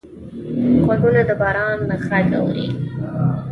غوږونه د باران غږ اوري